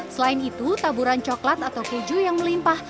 selain itu taburan coklat atau keju yang melimpah